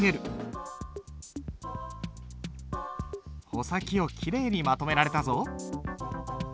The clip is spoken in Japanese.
穂先をきれいにまとめられたぞ。